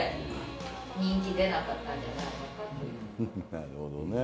なるほどね。